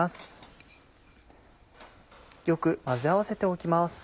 よく混ぜ合わせておきます。